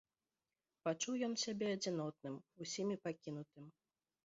Пачуў ён сябе адзінотным, усімі пакінутым.